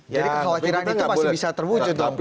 jadi kekhawatiran itu masih bisa terwujud dong pak sofie